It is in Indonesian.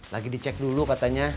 lagi dicek dulu katanya